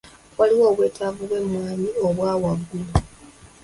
Waliwo obwetaavu bw'emmwanyi obwa waggulu.